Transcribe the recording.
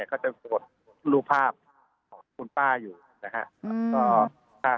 ก็จะกดรูปภาพของคุณป้าอยู่นะครับ